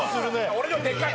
俺のでかい。